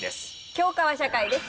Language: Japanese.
教科は社会です。